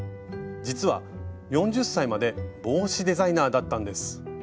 実は４０歳まで帽子デザイナーだったんです。